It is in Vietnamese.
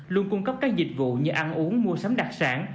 luôn cung cấp các dịch vụ như ăn uống mua sắm đặc sản